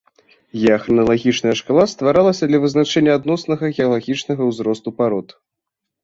Геахраналагічная шкала стваралася для вызначэння адноснага геалагічнага ўзросту парод.